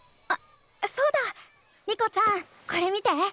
あそうだ。リコちゃんこれ見て。